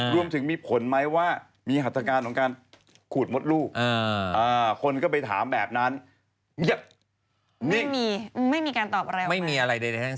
รวมถึงมีผลไหมว่ามีหัตการณ์ของการขูดมดลูกคนก็ไปถามแบบนั้นไม่มีไม่มีการตอบแรงไม่มีอะไรเลยนะครับ